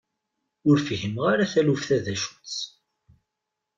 Ur fhimeɣ ara taluft-a d acu-tt.